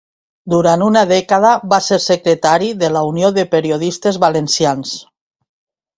Durant una dècada va ser secretari de la Unió de Periodistes Valencians.